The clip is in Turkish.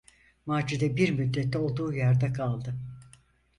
Macide bir müddet olduğu yerde kaldı.